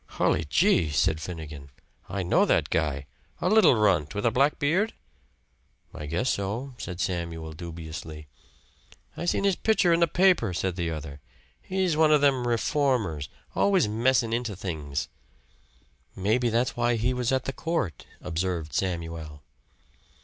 "Hully gee!" said Finnegan. "I know that guy. A little runt with a black beard?" "I guess so," said Samuel dubiously. "I seen his pitcher in the paper," said the other. "He's one of them reformers always messin' into things." "Maybe that's why he was at the court," observed Samuel.